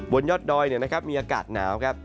ยอดดอยมีอากาศหนาวครับ